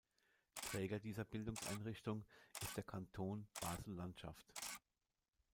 Träger dieser Bildungseinrichtung ist der Kanton Basel-Landschaft.